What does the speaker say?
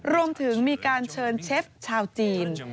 รวมถึงมีการเชิญเชฟชาวจีน